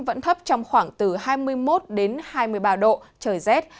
vẫn thấp trong khoảng từ hai mươi một đến hai mươi ba độ trời rét